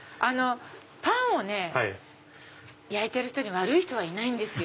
パンを焼いてる人に悪い人はいないんですよ。